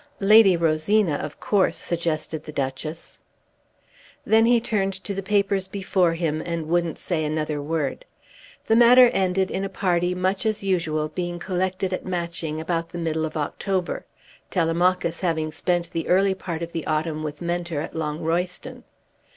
"Lady Rosina, of course," suggested the Duchess. Then he turned to the papers before him and wouldn't say another word. The matter ended in a party much as usual being collected at Matching about the middle of October, Telemachus having spent the early part of the autumn with Mentor at Long Royston.